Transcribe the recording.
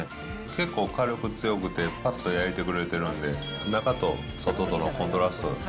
結構火力強くて、ぱっと焼いてくれてるんで、中と外とのコントラストが。